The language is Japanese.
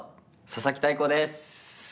佐々木大光です。